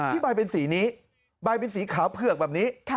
ใบเป็นสีนี้ใบเป็นสีขาวเผือกแบบนี้